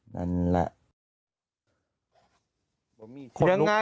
นั่นแหละ